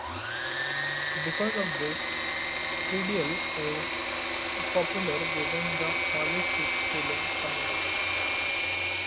Because of this, Predeal is popular within the holistic healing community.